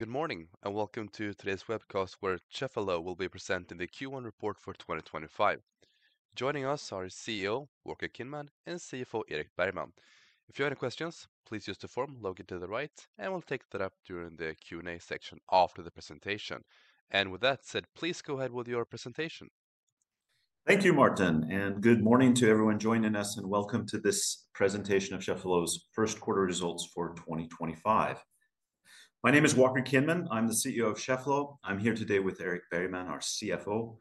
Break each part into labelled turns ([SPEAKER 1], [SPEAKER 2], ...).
[SPEAKER 1] Good morning and welcome to today's webcast, where Cheffelo will be presenting the Q1 report for 2025. Joining us are CEO Walker Kinman and CFO Erik Bergman. If you have any questions, please use the form located to the right, and we'll take that up during the Q&A section after the presentation. With that said, please go ahead with your presentation.
[SPEAKER 2] Thank you, Martin, and good morning to everyone joining us, and welcome to this presentation of Cheffelo's first quarter results for 2025. My name is Walker Kinman. I'm the CEO of Cheffelo. I'm here today with Erik Bergman, our CFO.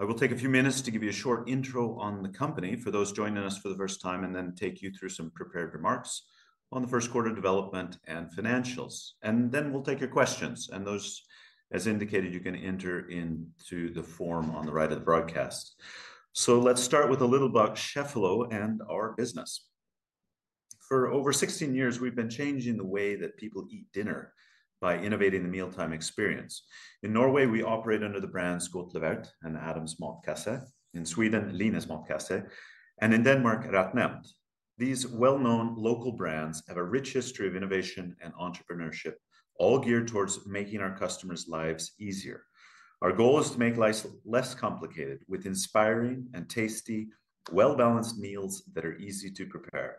[SPEAKER 2] I will take a few minutes to give you a short intro on the company for those joining us for the first time, and then take you through some prepared remarks on the first quarter development and financials. Then we'll take your questions, and those, as indicated, you can enter into the form on the right of the broadcast. Let's start with a little about Cheffelo and our business. For over 16 years, we've been changing the way that people eat dinner by innovating the mealtime experience. In Norway, we operate under the brands GodtLevert and Adams Matkasse, in Sweden, Linas Matkasse, and in Denmark, RetNemt. These well-known local brands have a rich history of innovation and entrepreneurship, all geared towards making our customers' lives easier. Our goal is to make life less complicated with inspiring and tasty, well-balanced meals that are easy to prepare.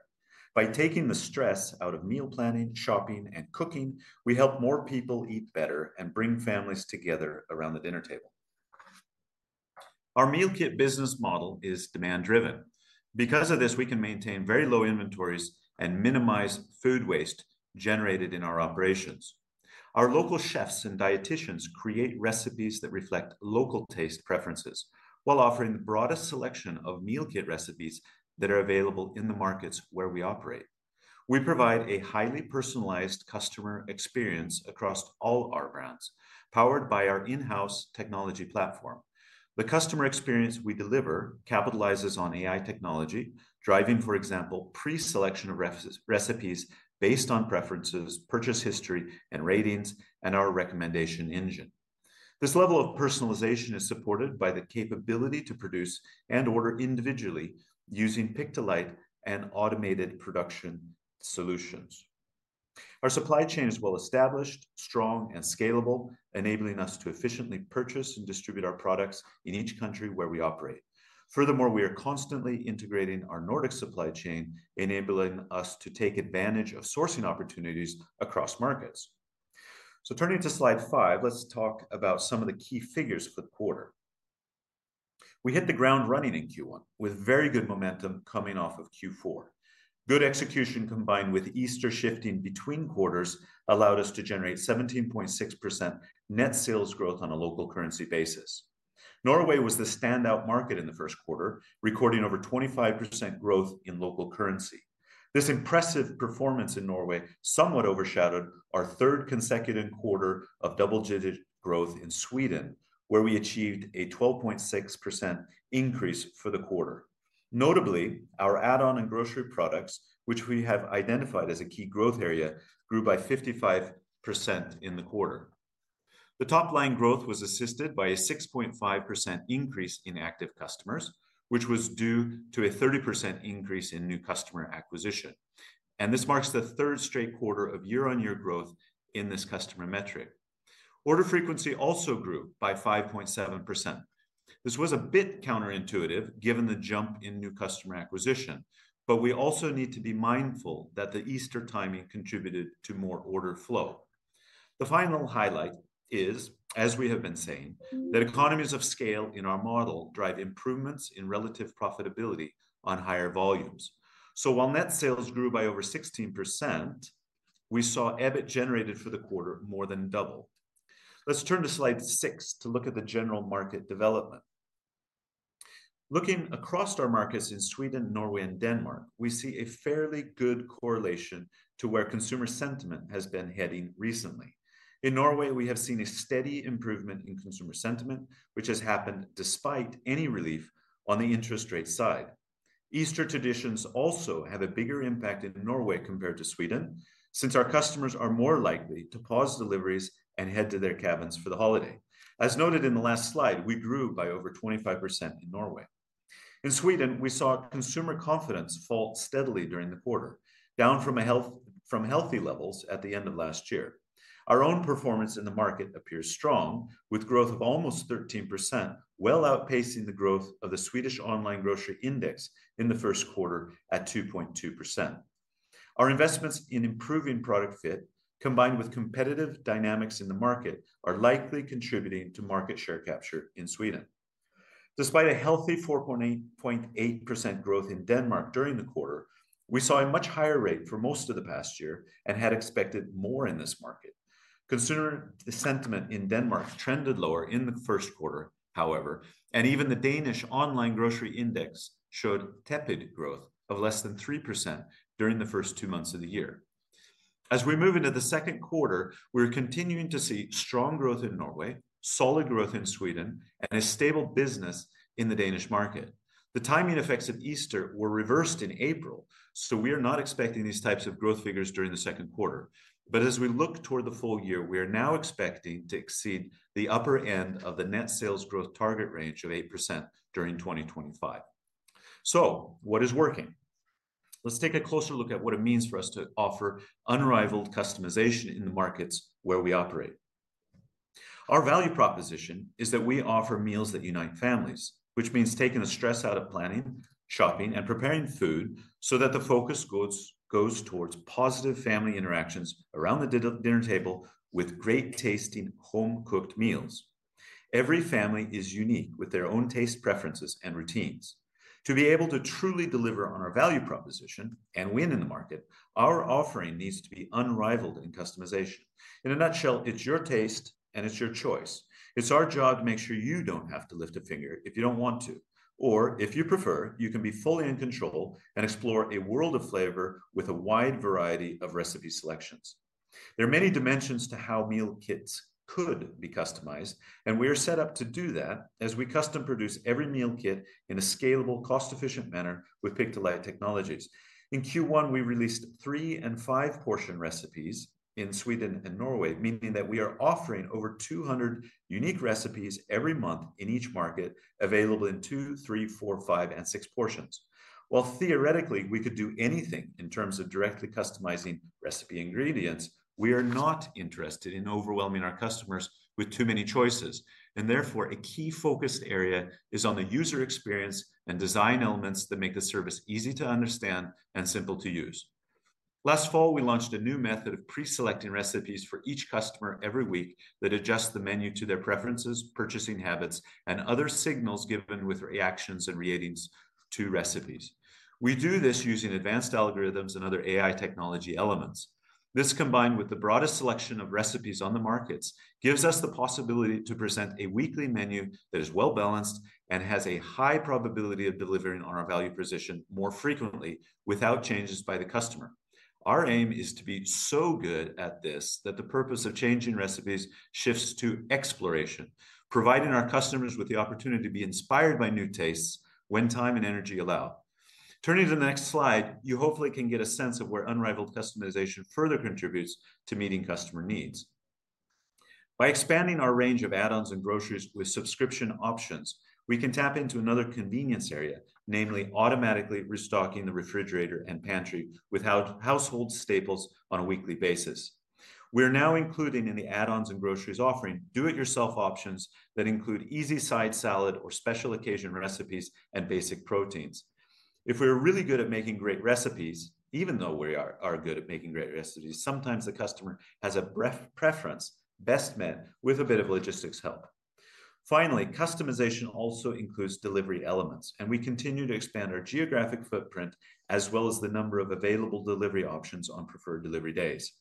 [SPEAKER 2] By taking the stress out of meal planning, shopping, and cooking, we help more people eat better and bring families together around the dinner table. Our meal kit business model is demand-driven. Because of this, we can maintain very low inventories and minimize food waste generated in our operations. Our local chefs and dietitians create recipes that reflect local taste preferences while offering the broadest selection of meal kit recipes that are available in the markets where we operate. We provide a highly personalized customer experience across all our brands, powered by our in-house technology platform. The customer experience we deliver capitalizes on AI technology, driving, for example, pre-selection of recipes based on preferences, purchase history, and ratings, and our recommendation engine. This level of personalization is supported by the capability to produce and order individually using pick-to-light and automated production solutions. Our supply chain is well-established, strong, and scalable, enabling us to efficiently purchase and distribute our products in each country where we operate. Furthermore, we are constantly integrating our Nordic supply chain, enabling us to take advantage of sourcing opportunities across markets. Turning to slide five, let's talk about some of the key figures for the quarter. We hit the ground running in Q1 with very good momentum coming off of Q4. Good execution combined with Easter shifting between quarters allowed us to generate 17.6% net sales growth on a local currency basis. Norway was the standout market in the first quarter, recording over 25% growth in local currency. This impressive performance in Norway somewhat overshadowed our third consecutive quarter of double-digit growth in Sweden, where we achieved a 12.6% increase for the quarter. Notably, our add-ons and groceries products, which we have identified as a key growth area, grew by 55% in the quarter. The top-line growth was assisted by a 6.5% increase in active customers, which was due to a 30% increase in new customer acquisition. This marks the third straight quarter of year-on-year growth in this customer metric. Order frequency also grew by 5.7%. This was a bit counterintuitive given the jump in new customer acquisition, but we also need to be mindful that the Easter timing contributed to more order flow. The final highlight is, as we have been saying, that economies of scale in our model drive improvements in relative profitability on higher volumes. While net sales grew by over 16%, we saw EBIT generated for the quarter more than double. Let's turn to slide six to look at the general market development. Looking across our markets in Sweden, Norway, and Denmark, we see a fairly good correlation to where consumer sentiment has been heading recently. In Norway, we have seen a steady improvement in consumer sentiment, which has happened despite any relief on the interest rate side. Easter traditions also have a bigger impact in Norway compared to Sweden since our customers are more likely to pause deliveries and head to their cabins for the holiday. As noted in the last slide, we grew by over 25% in Norway. In Sweden, we saw consumer confidence fall steadily during the quarter, down from healthy levels at the end of last year. Our own performance in the market appears strong, with growth of almost 13%, well outpacing the growth of the Swedish online grocery index in the first quarter at 2.2%. Our investments in improving product fit, combined with competitive dynamics in the market, are likely contributing to market share capture in Sweden. Despite a healthy 4.8% growth in Denmark during the quarter, we saw a much higher rate for most of the past year and had expected more in this market. Consumer sentiment in Denmark trended lower in the first quarter, however, and even the Danish online grocery index showed tepid growth of less than 3% during the first two months of the year. As we move into the second quarter, we're continuing to see strong growth in Norway, solid growth in Sweden, and a stable business in the Danish market. The timing effects of Easter were reversed in April, so we are not expecting these types of growth figures during the second quarter. As we look toward the full year, we are now expecting to exceed the upper end of the net sales growth target range of 8% during 2025. What is working? Let's take a closer look at what it means for us to offer unrivaled customization in the markets where we operate. Our value proposition is that we offer meals that unite families, which means taking the stress out of planning, shopping, and preparing food so that the focus goes towards positive family interactions around the dinner table with great-tasting home-cooked meals. Every family is unique with their own taste preferences and routines. To be able to truly deliver on our value proposition and win in the market, our offering needs to be unrivaled in customization. In a nutshell, it's your taste, and it's your choice. It's our job to make sure you don't have to lift a finger if you don't want to. Or if you prefer, you can be fully in control and explore a world of flavor with a wide variety of recipe selections. There are many dimensions to how meal kits could be customized, and we are set up to do that as we custom produce every meal kit in a scalable, cost-efficient manner with pick-to-light technologies. In Q1, we released three and five-portion recipes in Sweden and Norway, meaning that we are offering over 200 unique recipes every month in each market available in two, three, four, five, and six portions. While theoretically we could do anything in terms of directly customizing recipe ingredients, we are not interested in overwhelming our customers with too many choices. Therefore, a key focus area is on the user experience and design elements that make the service easy to understand and simple to use. Last fall, we launched a new method of pre-selecting recipes for each customer every week that adjusts the menu to their preferences, purchasing habits, and other signals given with reactions and ratings to recipes. We do this using advanced algorithms and other AI technology elements. This, combined with the broadest selection of recipes on the markets, gives us the possibility to present a weekly menu that is well-balanced and has a high probability of delivering on our value position more frequently without changes by the customer. Our aim is to be so good at this that the purpose of changing recipes shifts to exploration, providing our customers with the opportunity to be inspired by new tastes when time and energy allow. Turning to the next slide, you hopefully can get a sense of where unrivaled customization further contributes to meeting customer needs. By expanding our range of add-ons and groceries with subscription options, we can tap into another convenience area, namely automatically restocking the refrigerator and pantry with household staples on a weekly basis. We're now including in the add-ons and groceries offering do-it-yourself options that include easy side salad or special occasion recipes and basic proteins. If we're really good at making great recipes, even though we are good at making great recipes, sometimes the customer has a preference best met with a bit of logistics help. Finally, customization also includes delivery elements, and we continue to expand our geographic footprint as well as the number of available delivery options on preferred delivery days.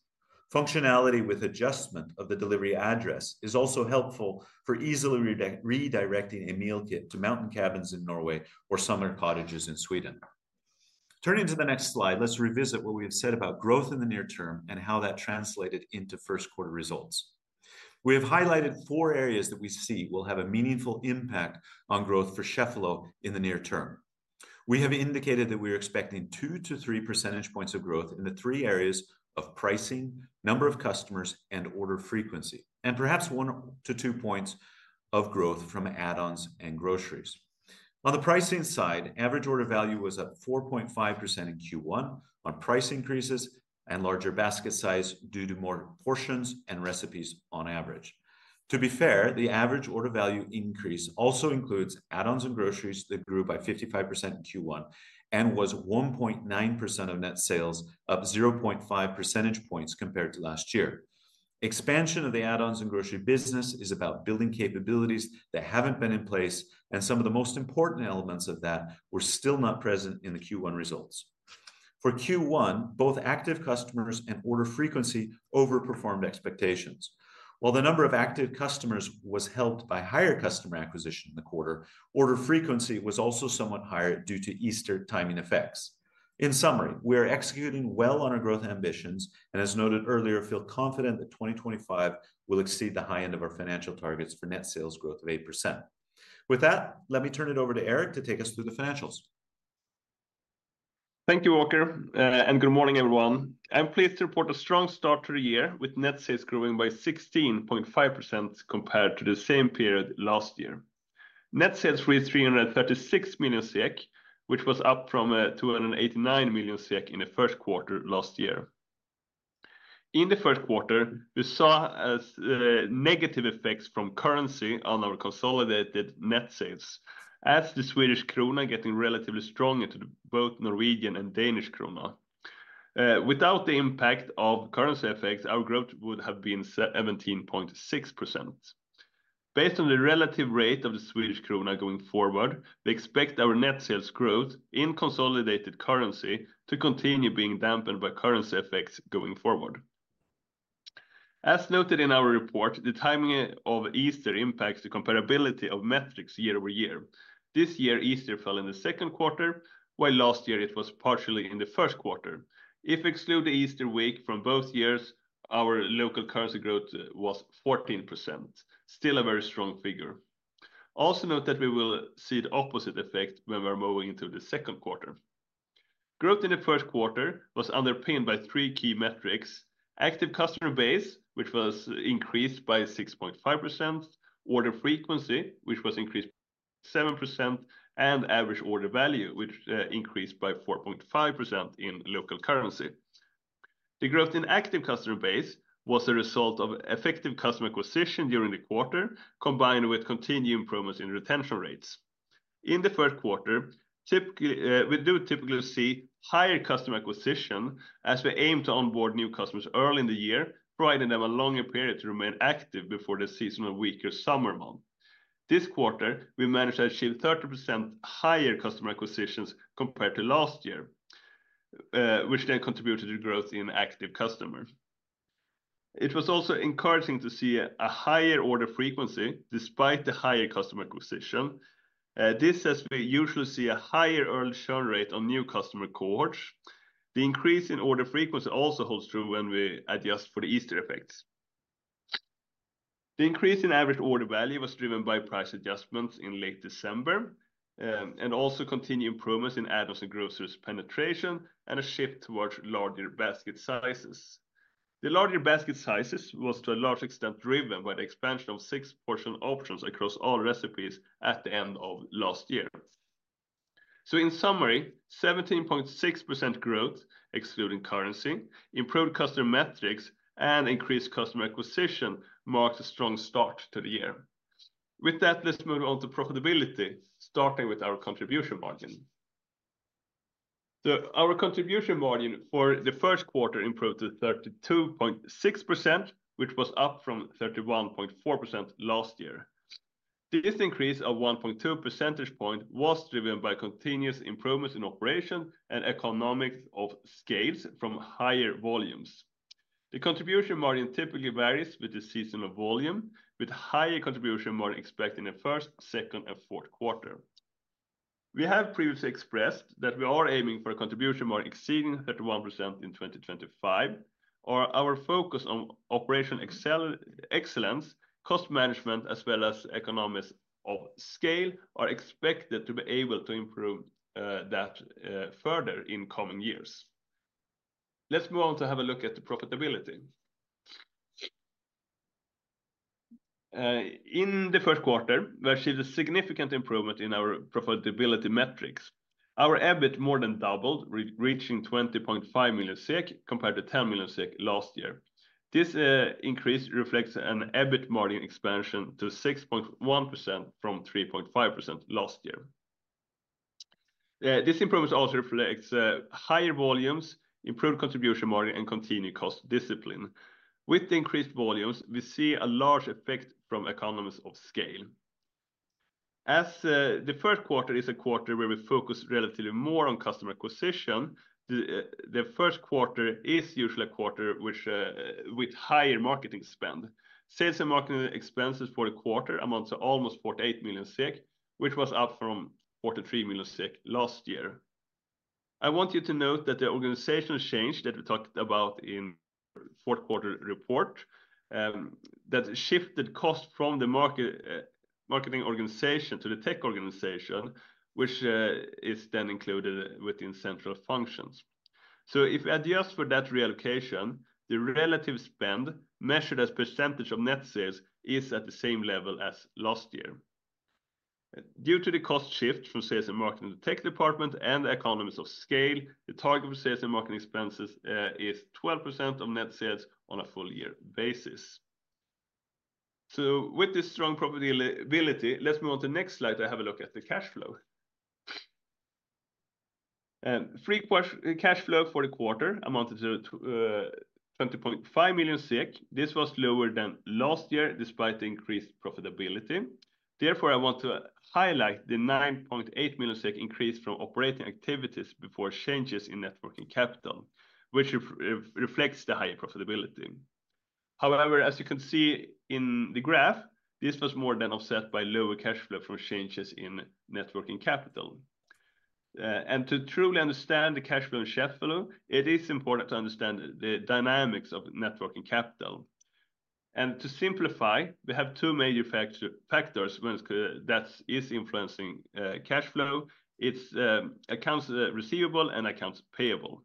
[SPEAKER 2] Functionality with adjustment of the delivery address is also helpful for easily redirecting a meal kit to mountain cabins in Norway or summer cottages in Sweden. Turning to the next slide, let's revisit what we have said about growth in the near term and how that translated into first quarter results. We have highlighted four areas that we see will have a meaningful impact on growth for Cheffelo in the near term. We have indicated that we are expecting two to three percentage points of growth in the three areas of pricing, number of customers, and order frequency, and perhaps one to two percentage points of growth from add-ons and groceries. On the pricing side, average order value was up 4.5% in Q1 on price increases and larger basket size due to more portions and recipes on average. To be fair, the average order value increase also includes add-ons and groceries that grew by 55% in Q1 and was 1.9% of net sales, up 0.5 percentage points compared to last year. Expansion of the add-ons and grocery business is about building capabilities that have not been in place, and some of the most important elements of that were still not present in the Q1 results. For Q1, both active customers and order frequency overperformed expectations. While the number of active customers was helped by higher customer acquisition in the quarter, order frequency was also somewhat higher due to Easter timing effects. In summary, we are executing well on our growth ambitions, and as noted earlier, feel confident that 2025 will exceed the high end of our financial targets for net sales growth of 8%. With that, let me turn it over to Erik to take us through the financials.
[SPEAKER 3] Thank you, Walker, and good morning, everyone. I am pleased to report a strong start to the year with net sales growing by 16.5% compared to the same period last year. Net sales reached 336 million, which was up from 289 million in the first quarter last year. In the first quarter, we saw negative effects from currency on our consolidated net sales, as the Swedish krona getting relatively strong into both Norwegian and Danish krona. Without the impact of currency effects, our growth would have been 17.6%. Based on the relative rate of the Swedish krona going forward, we expect our net sales growth in consolidated currency to continue being dampened by currency effects going forward. As noted in our report, the timing of Easter impacts the comparability of metrics year over year. This year, Easter fell in the second quarter, while last year it was partially in the first quarter. If we exclude the Easter week from both years, our local currency growth was 14%, still a very strong figure. Also note that we will see the opposite effect when we're moving into the second quarter. Growth in the first quarter was underpinned by three key metrics: active customer base, which was increased by 6.5%; order frequency, which was increased by 7%; and average order value, which increased by 4.5% in local currency. The growth in active customer base was a result of effective customer acquisition during the quarter, combined with continued improvements in retention rates. In the first quarter, we do typically see higher customer acquisition as we aim to onboard new customers early in the year, providing them a longer period to remain active before the seasonal week or summer month. This quarter, we managed to achieve 30% higher customer acquisitions compared to last year, which then contributed to growth in active customers. It was also encouraging to see a higher order frequency despite the higher customer acquisition. This says we usually see a higher early churn rate on new customer cohorts. The increase in order frequency also holds true when we adjust for the Easter effects. The increase in average order value was driven by price adjustments in late December and also continued improvements in add-ons and groceries penetration and a shift towards larger basket sizes. The larger basket sizes was to a large extent driven by the expansion of six portion options across all recipes at the end of last year. In summary, 17.6% growth, excluding currency, improved customer metrics, and increased customer acquisition marked a strong start to the year. With that, let's move on to profitability, starting with our contribution margin. Our contribution margin for the first quarter improved to 32.6%, which was up from 31.4% last year. This increase of 1.2 percentage points was driven by continuous improvements in operation and economies of scale from higher volumes. The contribution margin typically varies with the seasonal volume, with higher contribution margin expected in the first, second, and fourth quarter. We have previously expressed that we are aiming for a contribution margin exceeding 31% in 2025, or our focus on operational excellence, cost management, as well as economies of scale are expected to be able to improve that further in coming years. Let's move on to have a look at the profitability. In the first quarter, we achieved a significant improvement in our profitability metrics. Our EBIT more than doubled, reaching 20.5 million SEK compared to 10 million SEK last year. This increase reflects an EBIT margin expansion to 6.1% from 3.5% last year. This improvement also reflects higher volumes, improved contribution margin, and continued cost discipline. With increased volumes, we see a large effect from economies of scale. As the first quarter is a quarter where we focus relatively more on customer acquisition, the first quarter is usually a quarter with higher marketing spend. Sales and marketing expenses for the quarter amount to almost 48 million, which was up from 43 million last year. I want you to note that the organizational change that we talked about in the fourth quarter report shifted costs from the marketing organization to the tech organization, which is then included within central functions. If we adjust for that reallocation, the relative spend measured as percentage of net sales is at the same level as last year. Due to the cost shift from sales and marketing to tech department and the economies of scale, the target for sales and marketing expenses is 12% of net sales on a full year basis. With this strong profitability, let's move on to the next slide to have a look at the cash flow. Free cash flow for the quarter amounted to 20.5 million SEK. This was lower than last year despite the increased profitability. Therefore, I want to highlight the 9.8 million increase from operating activities before changes in net working capital, which reflects the higher profitability. However, as you can see in the graph, this was more than offset by lower cash flow from changes in net working capital. To truly understand the cash flow in Cheffelo, it is important to understand the dynamics of net working capital. To simplify, we have two major factors that are influencing cash flow. It is accounts receivable and accounts payable.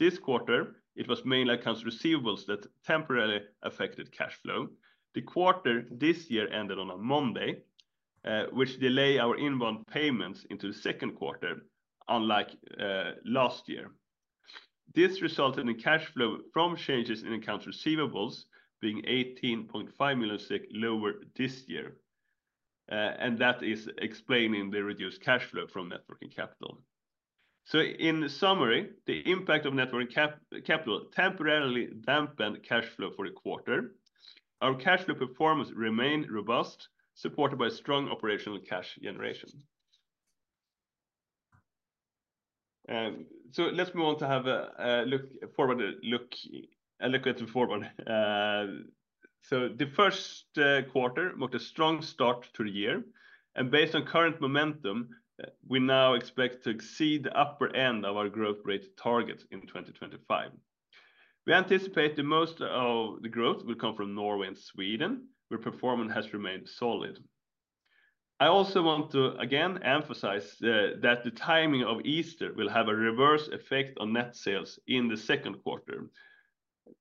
[SPEAKER 3] This quarter, it was mainly accounts receivable that temporarily affected cash flow. The quarter this year ended on a Monday, which delayed our inbound payments into the second quarter, unlike last year. This resulted in cash flow from changes in accounts receivable being 18.5 million SEK lower this year. That is explaining the reduced cash flow from net working capital. In summary, the impact of net working capital temporarily dampened cash flow for the quarter. Our cash flow performance remained robust, supported by strong operational cash generation. Let's move on to have a look forward, a look at the forward. The first quarter marked a strong start to the year. Based on current momentum, we now expect to exceed the upper end of our growth rate target in 2025. We anticipate that most of the growth will come from Norway and Sweden, where performance has remained solid. I also want to again emphasize that the timing of Easter will have a reverse effect on net sales in the second quarter.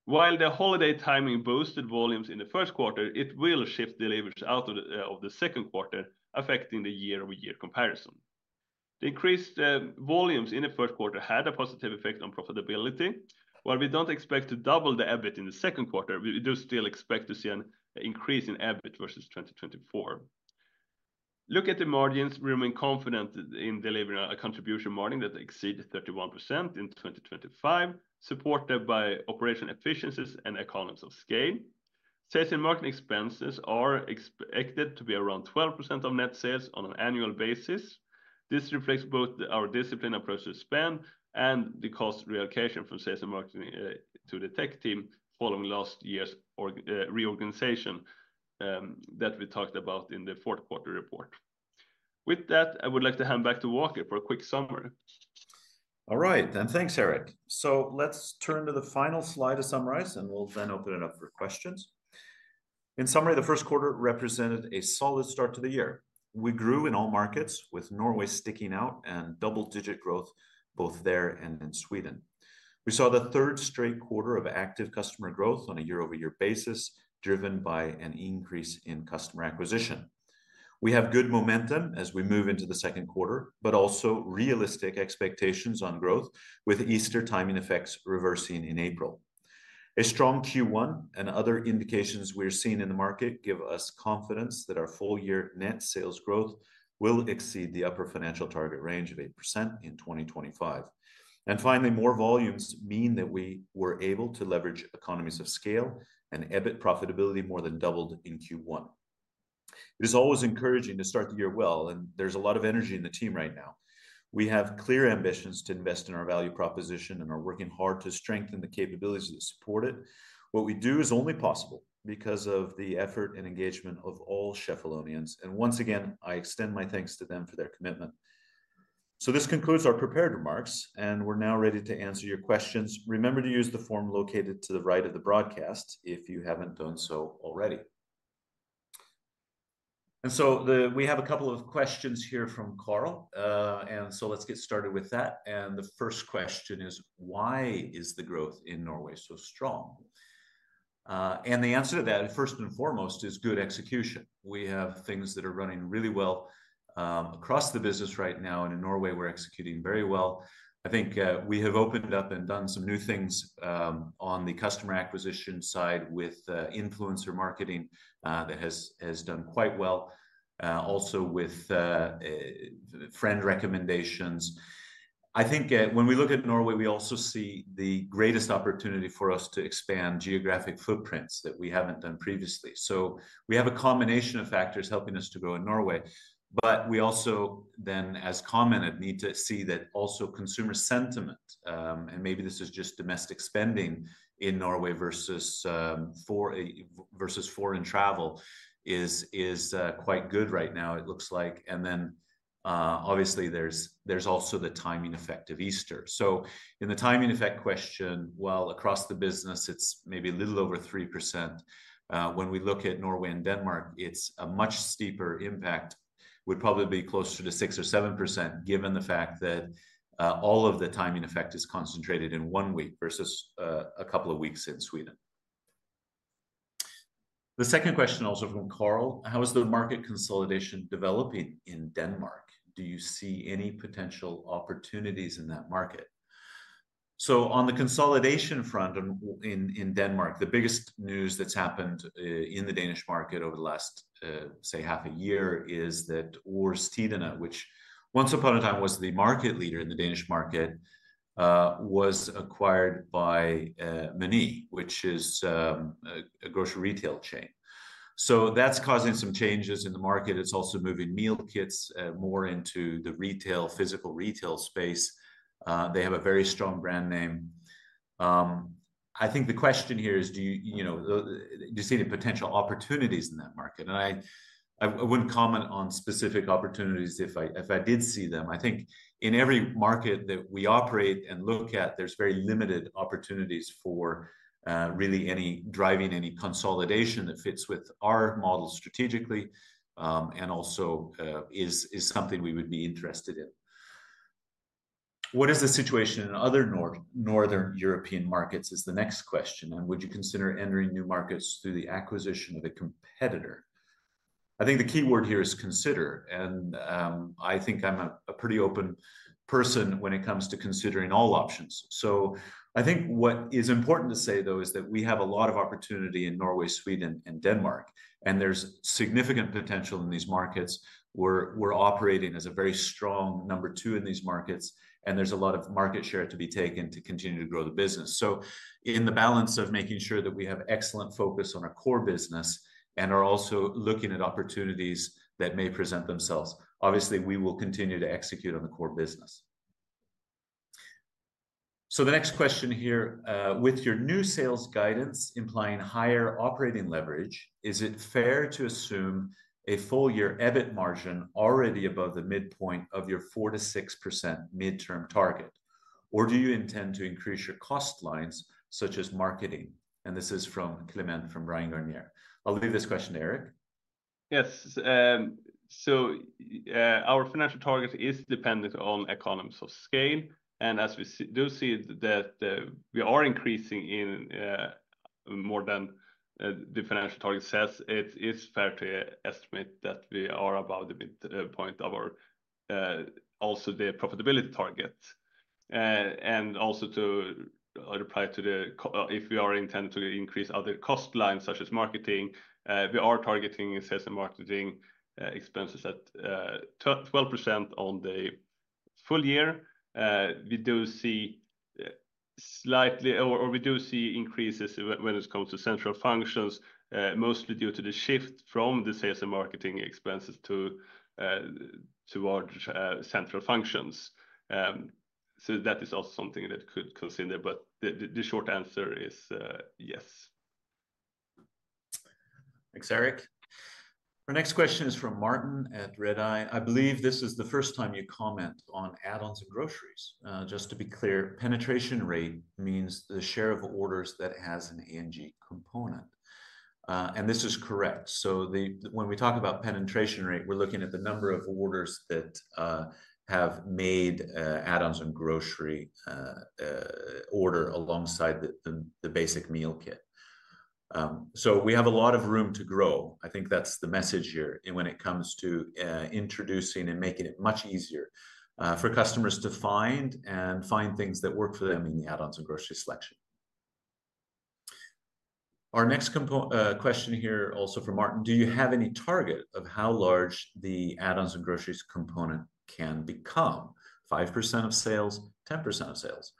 [SPEAKER 3] While the holiday timing boosted volumes in the first quarter, it will shift deliveries out of the second quarter, affecting the year-over-year comparison. The increased volumes in the first quarter had a positive effect on profitability. While we do not expect to double the EBIT in the second quarter, we do still expect to see an increase in EBIT versus 2024. Look at the margins. We remain confident in delivering a contribution margin that exceeds 31% in 2025, supported by operational efficiencies and economies of scale. Sales and marketing expenses are expected to be around 12% of net sales on an annual basis. This reflects both our disciplined approach to spend and the cost reallocation from sales and marketing to the tech team following last year's reorganization that we talked about in the fourth quarter report. With that, I would like to hand back to Walker for a quick summary.
[SPEAKER 2] All right, and thanks, Erik. Let's turn to the final slide to summarize, and we'll then open it up for questions. In summary, the first quarter represented a solid start to the year. We grew in all markets, with Norway sticking out and double-digit growth both there and in Sweden. We saw the third straight quarter of active customer growth on a year-over-year basis, driven by an increase in customer acquisition. We have good momentum as we move into the second quarter, but also realistic expectations on growth, with Easter timing effects reversing in April. A strong Q1 and other indications we're seeing in the market give us confidence that our full-year net sales growth will exceed the upper financial target range of 8% in 2025. Finally, more volumes mean that we were able to leverage economies of scale, and EBIT profitability more than doubled in Q1. It is always encouraging to start the year well, and there's a lot of energy in the team right now. We have clear ambitions to invest in our value proposition and are working hard to strengthen the capabilities to support it. What we do is only possible because of the effort and engagement of all Cheffeloanians, and once again, I extend my thanks to them for their commitment. This concludes our prepared remarks, and we're now ready to answer your questions. Remember to use the form located to the right of the broadcast if you haven't done so already. We have a couple of questions here from Karl, so let's get started with that. The first question is, why is the growth in Norway so strong? The answer to that, first and foremost, is good execution. We have things that are running really well across the business right now, and in Norway, we're executing very well. I think we have opened up and done some new things on the customer acquisition side with influencer marketing that has done quite well, also with friend recommendations. I think when we look at Norway, we also see the greatest opportunity for us to expand geographic footprints that we haven't done previously. We have a combination of factors helping us to grow in Norway, but we also then, as commented, need to see that also consumer sentiment, and maybe this is just domestic spending in Norway versus foreign travel, is quite good right now, it looks like. Obviously there's also the timing effect of Easter. In the timing effect question, while across the business it's maybe a little over 3%, when we look at Norway and Denmark, it's a much steeper impact. Would probably be closer to 6%-7% given the fact that all of the timing effect is concentrated in one week versus a couple of weeks in Sweden. The second question also from Karl, how is the market consolidation developing in Denmark? Do you see any potential opportunities in that market? On the consolidation front in Denmark, the biggest news that's happened in the Danish market over the last, say, half a year is that Aarstiderne, which once upon a time was the market leader in the Danish market, was acquired by Meny, which is a grocery retail chain. That's causing some changes in the market. It's also moving meal kits more into the retail, physical retail space. They have a very strong brand name. I think the question here is, do you see any potential opportunities in that market? I wouldn't comment on specific opportunities if I did see them. I think in every market that we operate and look at, there's very limited opportunities for really any driving any consolidation that fits with our model strategically and also is something we would be interested in. What is the situation in other Northern European markets is the next question, and would you consider entering new markets through the acquisition of a competitor? I think the key word here is consider, and I think I'm a pretty open person when it comes to considering all options. I think what is important to say, though, is that we have a lot of opportunity in Norway, Sweden, and Denmark, and there's significant potential in these markets. We're operating as a very strong number two in these markets, and there's a lot of market share to be taken to continue to grow the business. In the balance of making sure that we have excellent focus on our core business and are also looking at opportunities that may present themselves, obviously we will continue to execute on the core business. The next question here, with your new sales guidance implying higher operating leverage, is it fair to assume a full-year EBIT margin already above the midpoint of your 4%-6% midterm target, or do you intend to increase your cost lines such as marketing? This is from Clement from Rheingardner. I'll leave this question to Erik.
[SPEAKER 3] Yes. Our financial target is dependent on economies of scale, and as we do see that we are increasing in more than the financial target says, it is fair to estimate that we are above the midpoint of our also the profitability target. Also, to reply to if we are intended to increase other cost lines such as marketing, we are targeting sales and marketing expenses at 12% on the full year. We do see slightly, or we do see increases when it comes to central functions, mostly due to the shift from the sales and marketing expenses to our central functions. That is also something that could consider, but the short answer is yes.
[SPEAKER 2] Thanks, Erik. Our next question is from Martin at Red Eye. I believe this is the first time you comment on add-ons and groceries. Just to be clear, penetration rate means the share of orders that has an ANG component. This is correct. When we talk about penetration rate, we're looking at the number of orders that have made add-ons and grocery order alongside the basic meal kit. We have a lot of room to grow. I think that's the message here when it comes to introducing and making it much easier for customers to find and find things that work for them in the add-ons and grocery selection. Our next question here also for Martin, do you have any target of how large the add-ons and groceries component can become? 5% of sales, 10% of sales.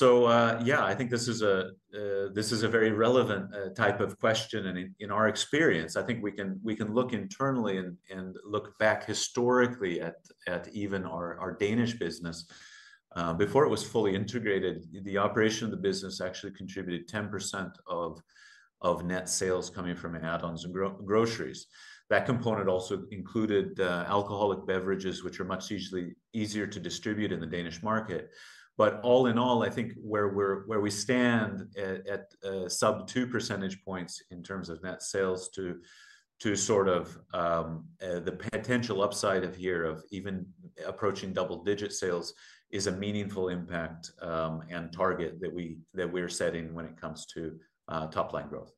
[SPEAKER 2] Yeah, I think this is a very relevant type of question. In our experience, I think we can look internally and look back historically at even our Danish business. Before it was fully integrated, the operation of the business actually contributed 10% of net sales coming from add-ons and groceries. That component also included alcoholic beverages, which are much easier to distribute in the Danish market. All in all, I think where we stand at sub-2 percentage points in terms of net sales to sort of the potential upside here of even approaching double-digit sales is a meaningful impact and target that we are setting when it comes to top-line growth.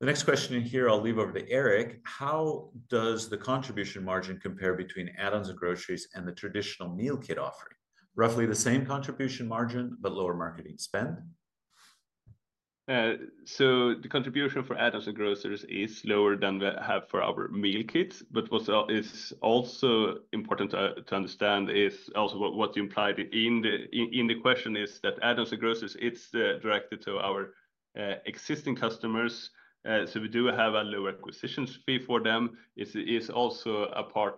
[SPEAKER 2] The next question here, I'll leave over to Erik. How does the contribution margin compare between add-ons and groceries and the traditional meal kit offering? Roughly the same contribution margin, but lower marketing spend?
[SPEAKER 3] The contribution for add-ons and groceries is lower than we have for our meal kits, but what is also important to understand is also what you implied in the question is that add-ons and groceries, it's directed to our existing customers. We do have a lower acquisition fee for them. It is also a part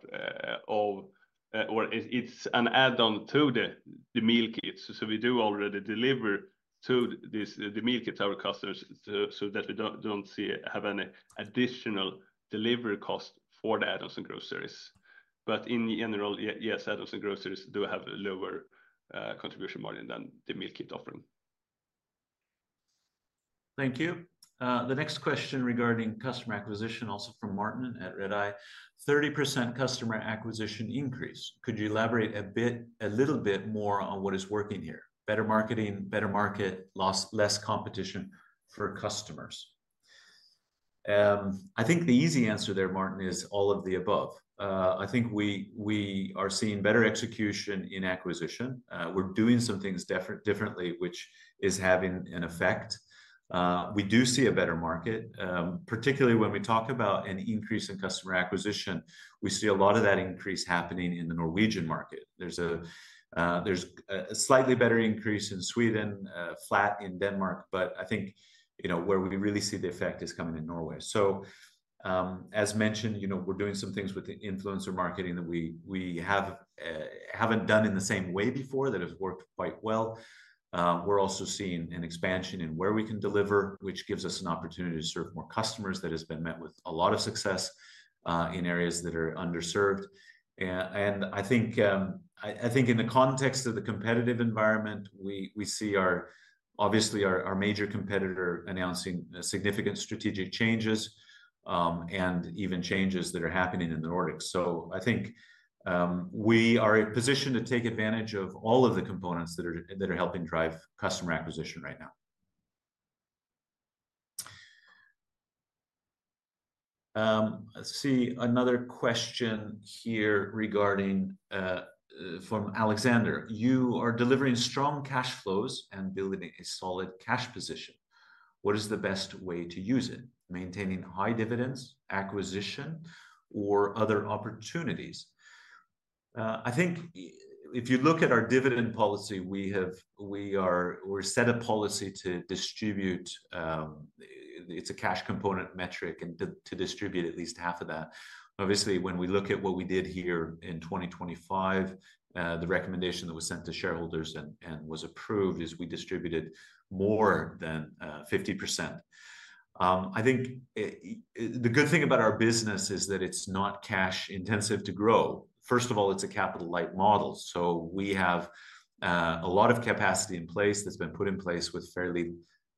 [SPEAKER 3] of, or it is an add-on to the meal kits. We do already deliver the meal kits to our customers so that we do not have any additional delivery cost for the add-ons and groceries. In general, yes, add-ons and groceries do have a lower contribution margin than the meal kit offering.
[SPEAKER 2] Thank you. The next question regarding customer acquisition is also from Martin at Red Eye. 30% customer acquisition increase. Could you elaborate a little bit more on what is working here? Better marketing, better market, less competition for customers. I think the easy answer there, Martin, is all of the above. I think we are seeing better execution in acquisition. We are doing some things differently, which is having an effect. We do see a better market, particularly when we talk about an increase in customer acquisition. We see a lot of that increase happening in the Norwegian market. There's a slightly better increase in Sweden, flat in Denmark, but I think where we really see the effect is coming in Norway. As mentioned, we're doing some things with the influencer marketing that we haven't done in the same way before that has worked quite well. We're also seeing an expansion in where we can deliver, which gives us an opportunity to serve more customers that has been met with a lot of success in areas that are underserved. I think in the context of the competitive environment, we see obviously our major competitor announcing significant strategic changes and even changes that are happening in the Nordics. I think we are in a position to take advantage of all of the components that are helping drive customer acquisition right now. Let's see another question here regarding from Alexander. You are delivering strong cash flows and building a solid cash position. What is the best way to use it? Maintaining high dividends, acquisition, or other opportunities? I think if you look at our dividend policy, we set a policy to distribute, it's a cash component metric and to distribute at least half of that. Obviously, when we look at what we did here in 2025, the recommendation that was sent to shareholders and was approved is we distributed more than 50%. I think the good thing about our business is that it's not cash-intensive to grow. First of all, it's a capital-light model. So we have a lot of capacity in place that's been put in place with fairly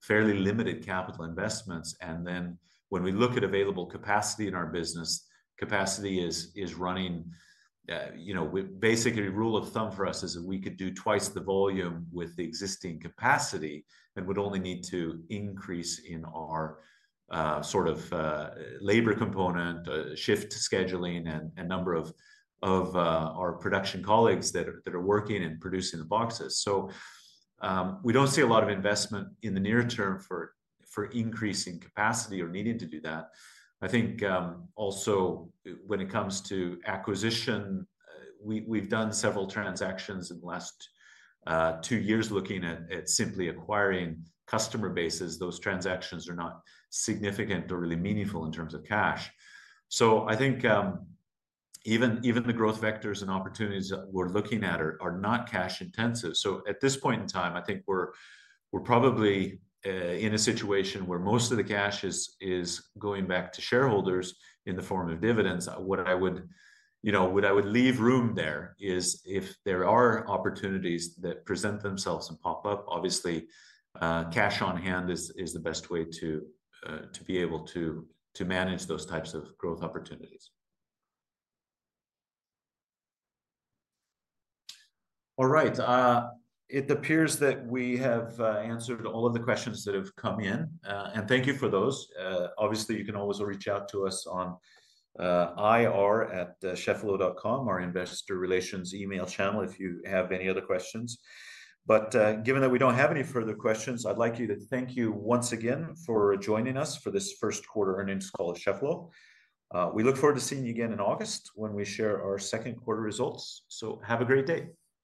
[SPEAKER 2] limited capital investments. When we look at available capacity in our business, capacity is running basically rule of thumb for us is that we could do twice the volume with the existing capacity and would only need to increase in our sort of labor component, shift scheduling, and number of our production colleagues that are working and producing the boxes. We do not see a lot of investment in the near term for increasing capacity or needing to do that. I think also when it comes to acquisition, we have done several transactions in the last two years looking at simply acquiring customer bases. Those transactions are not significant or really meaningful in terms of cash. I think even the growth vectors and opportunities that we are looking at are not cash-intensive. At this point in time, I think we're probably in a situation where most of the cash is going back to shareholders in the form of dividends. What I would leave room there is if there are opportunities that present themselves and pop up, obviously cash on hand is the best way to be able to manage those types of growth opportunities. All right. It appears that we have answered all of the questions that have come in, and thank you for those. Obviously, you can always reach out to us on ir@cheffelo.com, our investor relations email channel if you have any other questions. Given that we don't have any further questions, I'd like to thank you once again for joining us for this first quarter earnings call at Cheffelo. We look forward to seeing you again in August when we share our second quarter results. Have a great day.